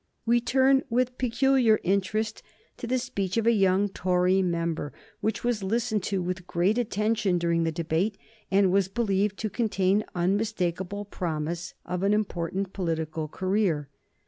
We turn with peculiar interest to the speech of a young Tory member which was listened to with great attention during the debate, and was believed to contain unmistakable promise of an important political career.